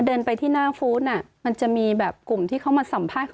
เดินไปที่หน้าฟู้ดมันจะมีแบบกลุ่มที่เขามาสัมภาษณ์